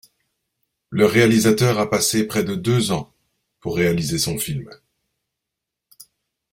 Le réalisateur a passé près de deux ans pour réaliser son film.